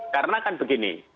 karena kan begini